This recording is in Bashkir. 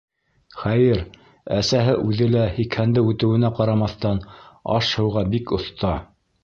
Хәйер, әсәһе үҙе лә, һикһәнде үтеүенә ҡарамаҫтан, аш-һыуға бик оҫта.